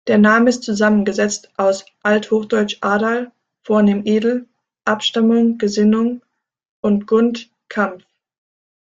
Der Name ist zusammengesetzt aus althochdeutsch "adal" „vornehm, edel; Abstammung“ Gesinnung und "gund" „Kampf“.